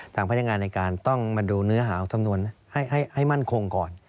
ทางพนักงานในการต้องมาดูเนื้อหาของสำนวนให้มั่นคงก่อน